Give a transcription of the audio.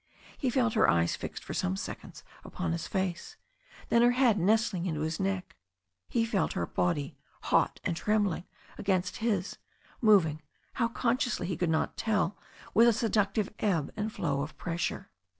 He felt her eyes fixed for some seconds upon his face, then her head nestling into his neck. He felt her body, hot and trembling, against his, moving, how consciously he could not tell, with a seductive ebb and flow of pressure.